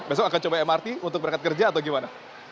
besok akan coba mrt untuk berangkat kerja atau gimana